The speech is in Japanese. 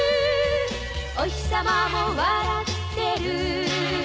「おひさまも笑ってる」